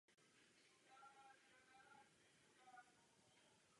Budeme tuto záležitost zkoumat, jak se ve zprávě žádá.